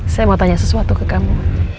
saya mau tanya sesuatu ke kamu